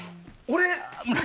俺？